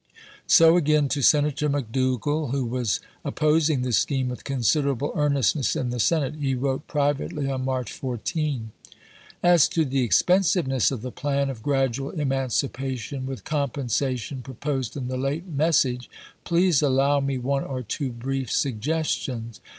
So again, to Senator McDougall, who was opi^os ing the scheme with considerable earnestness in the Senate, he wrote privately on March 14 : As to the expensiveness of the plan of gradual emanci pation, with compensation, proposed in the late message, please allow me one or two brief suggestions.